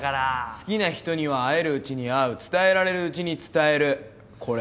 好きな人には会えるうちに会う伝えられるうちに伝えるこれ